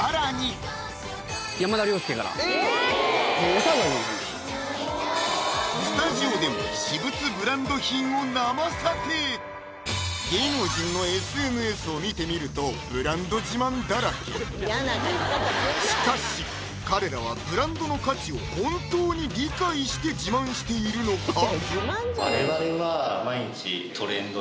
今スタジオでも芸能人のＳＮＳを見てみるとしかし彼らはブランドの価値を本当に理解して自慢しているのか？